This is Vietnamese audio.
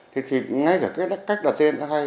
thì ngay cả cái cách đặt tên nó hay